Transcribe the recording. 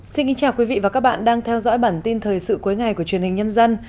chào mừng quý vị đến với bản tin thời sự cuối ngày của chuyên hình nhân dân